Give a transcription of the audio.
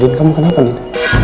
danin kamu kenapa danin